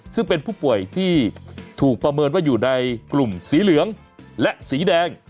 ซึ่งเป็นผู้ป่วยที่ถูกประเมินว่าอยู่ในกลุ่มสีเหลืองและสีแดง